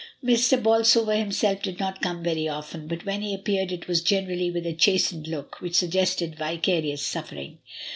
Mr. Bolsover himself did not come very often, but when he appeared it was generally with a chastened look, which suggested vicarious suffering.